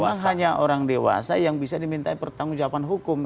cuma hanya orang dewasa yang bisa diminta pertanggung jawaban hukum